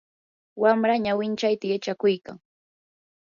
wamra ñawinchayta yachakuykan.